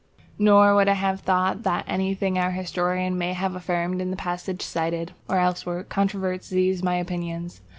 Nor would I have it thought that anything our historian may have affirmed in the passage cited, or elsewhere, controverts these my opinions.